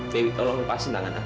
dewi tolong lepaskan tangan aku